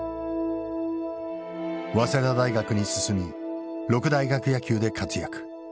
早稲田大学に進み六大学野球で活躍。